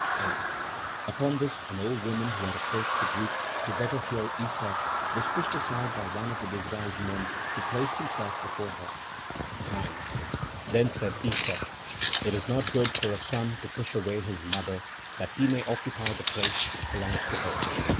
8. Upon this, an old woman who had approached the group, to better hear Issa, was pushed aside by one of the disguised men, who placed himself before her. 9. Then said Issa: "It is not good for a son to push away his mother, that he may occupy the place which belongs to her.